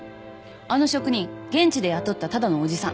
あの職人現地で雇ったただのおじさん。